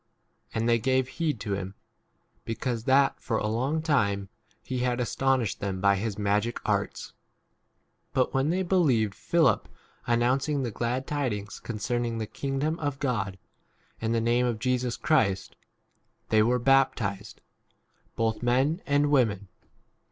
And they gave heed to him, because that for a long time he had astonished them by his magic arts. 13 But when they believed Philip announcing the glad tidings u con cerning the kingdom of God and the name of Jesus Christ, they were baptized, both men and 13 women.